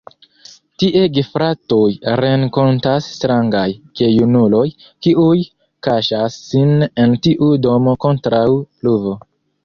Tie gefratoj renkontas strangaj gejunuloj, kiuj kaŝas sin en tiu domo kontraŭ pluvo.